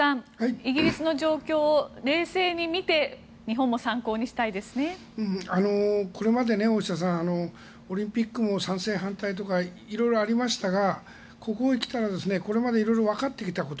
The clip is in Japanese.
イギリスの状況を冷静に見てこれまでオリンピックも賛成・反対とか色々ありましたがここへきたら色々わかってきたこと